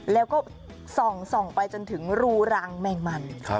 แล้วก็ส่องไปจนถึงรูรังแมงมัน